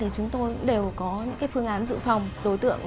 chúng tôi đều có những phương án dự phòng đối tượng